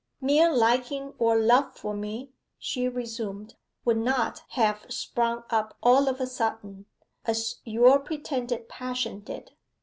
'Mere liking or love for me,' she resumed, 'would not have sprung up all of a sudden, as your pretended passion did.